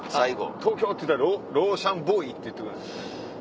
東京！って言ったらローシャンボーイって言ってくれるんですね。